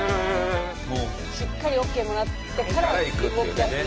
しっかりＯＫもらってから動きだす。